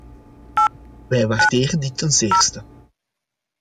Wij waarderen dit ten zeerste.